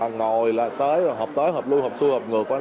ngồi là tới hợp tới hợp lưu hợp xuôi hợp ngược